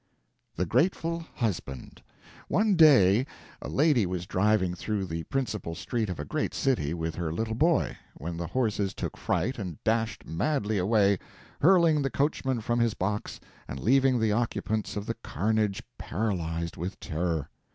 THE GRATEFUL HUSBAND One day a lady was driving through the principal street of a great city with her little boy, when the horses took fright and dashed madly away, hurling the coachman from his box and leaving the occupants of the carnage paralyzed with terror.